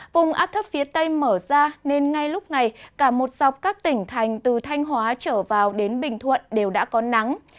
vùng áp thấp phía tây mở ra nên ngay lúc này cả một dọc các tỉnh thành từ thanh hóa trở vào đến bình thuận đều đã có nắng